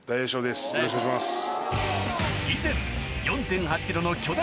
よろしくお願いします。